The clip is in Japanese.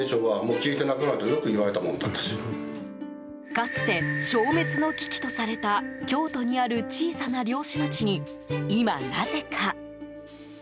かつて、消滅の危機とされた京都にある小さな漁師町に今なぜか。